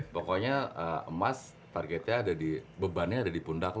pokoknya emas targetnya ada di beban ada di pundak lu